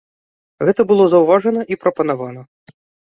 Гэта было заўважана і прапанавана.